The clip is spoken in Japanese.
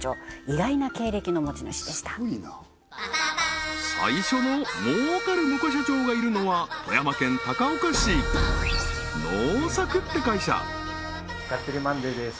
意外な経歴の持ち主でしたスゴいな最初の儲かるムコ社長がいるのは富山県高岡市能作って会社「がっちりマンデー！！」